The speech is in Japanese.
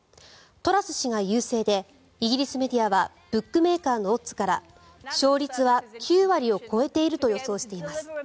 トラス氏が優勢でイギリスメディアはブックメーカーのオッズから勝率は９割を超えていると予想しています。